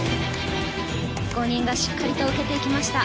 ５人がしっかりと受けていきました。